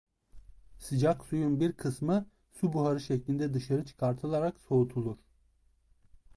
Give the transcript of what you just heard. Sıcak suyun bir kısmı su buharı şeklinde dışarı çıkartılarak soğutulur.